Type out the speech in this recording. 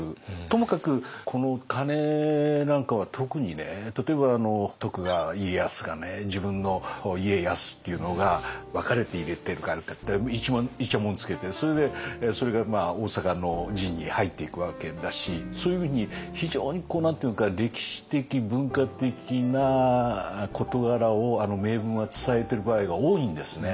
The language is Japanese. ともかくこの鐘なんかは特にね例えば徳川家康が自分の「家康」っていうのが分かれて入れてるからっていちゃもんをつけてそれでそれが大坂の陣に入っていくわけだしそういうふうに非常に何ていうか歴史的文化的な事柄をあの銘文は伝えている場合が多いんですね。